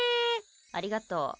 ありがとう。